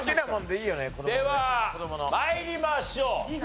では参りましょう。